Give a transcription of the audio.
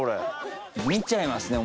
見ちゃいますね